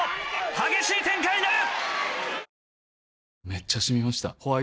激しい展開になる！